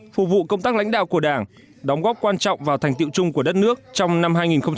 phục vụ công tác lãnh đạo của đảng đóng góp quan trọng vào thành tiệu chung của đất nước trong năm hai nghìn một mươi tám